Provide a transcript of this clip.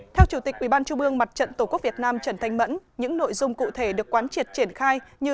theo chủ tịch ubnd tổ quốc việt nam trần thanh mẫn những nội dung cụ thể được quán triệt triển khai như